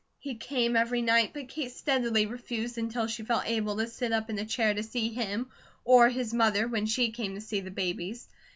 He came every night, but Kate steadily refused, until she felt able to sit up in a chair, to see him, or his mother when she came to see the babies.